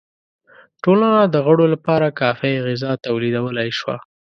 ټولنه د غړو لپاره کافی غذا تولیدولای شوه.